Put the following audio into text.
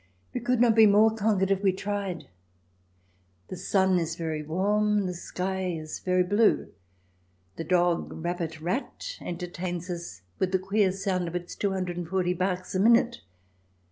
We could not be more conquered if we tried. The sun is very warm ; the sky is very blue ; the dog rabbit rat entertains us with the queer sound of its two hundred and forty barks a minute.